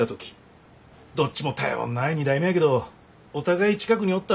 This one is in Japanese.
どっちも頼んない２代目やけどお互い近くにおったら心強いやんか。